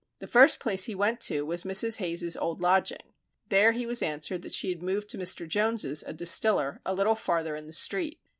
The first place he went to was Mrs. Hayes's old lodging; there he was answered that she had moved to Mr. Jones's, a distiller, a little farther in the street.